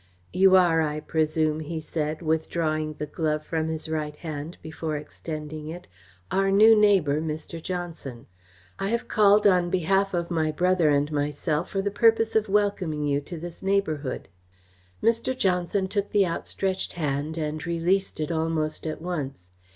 "You are, I presume," he said, withdrawing the glove from his right hand before extending it, "our new neighbour, Mr. Johnson. I have called on behalf of my brother and myself for the purpose of welcoming you to this neighbourhood." Mr. Johnson took the outstretched hand and released it almost at once.